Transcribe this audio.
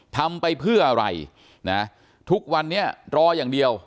ทำไปเพื่ออะไรนะทุกวันนี้รออย่างเดียว